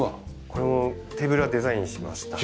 これもテーブルはデザインしました。